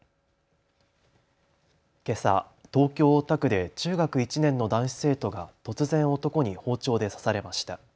けさ、東京大田区で中学１年の男子生徒が突然男に包丁で刺されました。